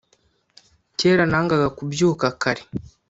Kera nangaga kubyuka kare